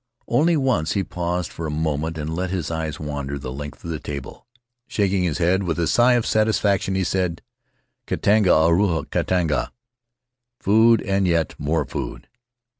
Only once he paused for a moment and let his eyes wander the length of the table. Shaking his head with a sigh of satisfaction, he said, "Katinga ahuru katinga" ("Food and yet more food").